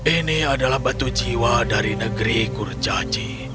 ini adalah batu jiwa dari negeri kurcaci